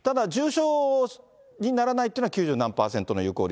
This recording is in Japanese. ただ重症にならないっていうのは九十何％の有効率。